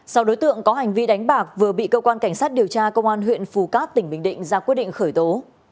sau đối tượng có hành vi đánh bạc vừa bị cơ quan cảnh sát điều tra công an huyện phù cát tỉnh bình định ra quyết định khởi tố